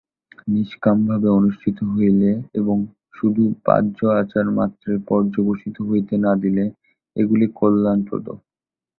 নিষ্কামভাবে অনুষ্ঠিত হইলে এবং শুধু বাহ্য আচারমাত্রে পর্যবসিত হইতে না দিলে এগুলি কল্যাণপ্রদ।